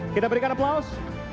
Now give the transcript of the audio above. kita berikan aplaus